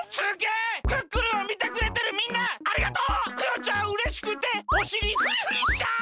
クヨちゃんうれしくておしりフリフリしちゃう！